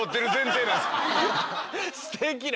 すてきな。